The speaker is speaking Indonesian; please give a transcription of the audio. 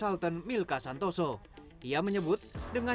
atau misalnya anda memiliki kemampuan untuk melakukan pekerjaan secara online